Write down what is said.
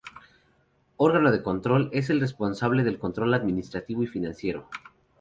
Órgano de Control: Es el responsable del control administrativo y financiero.